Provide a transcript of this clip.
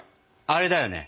あれだよね？